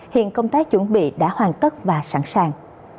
hiện công tác chuẩn bị đã hoàn tất và sẵn sàng